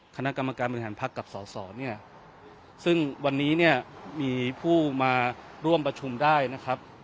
คณะกรรมการบริหารพักกับสอสอเนี่ยซึ่งวันนี้เนี่ยมีผู้มาร่วมประชุมได้นะครับ